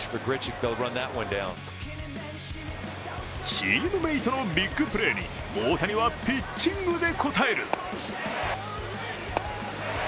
チームメートのビッグプレーに大谷はピッチングで応える。